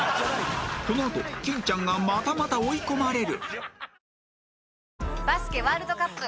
このあと金ちゃんがまたまた追い込まれる